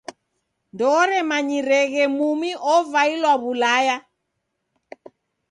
Ndooremanyireghe mumi ovailwa W'ulaya.